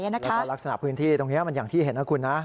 แล้วก็ลักษณะพื้นที่ตรงนี้มันอย่างที่เห็นนะคุณนะ